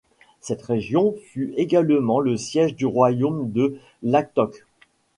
Cette région fut également le siège du royaume de Lhatok.